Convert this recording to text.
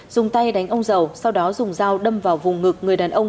dùng tay đánh ông dầu sau đó dùng dao đâm vào vùng ngực người đàn ông